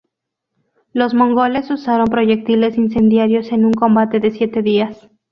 Los mongoles usaron proyectiles incendiarios en un combate de siete días.